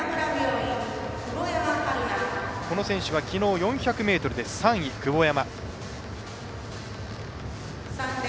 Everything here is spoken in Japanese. この選手はきのう４００ｍで３位、久保山。